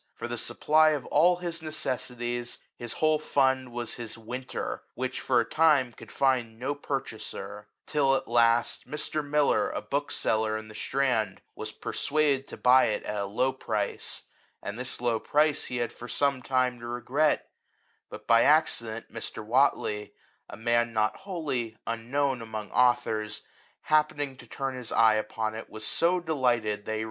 For the supply of all his necessities, his whole fund was his "Winter,'' which for a time could find no purchaser; till, at last, Mn Millar a book seller in the Strand was persuaded to buy it at a low price ; and this low price he had for some time reason to regret ; but, by ac cident, Mr. Whatley, a man not wholly unknown among authors, happening to turn his eye upon it, was so delig'hted [that he b X LIFE OF THOMSON.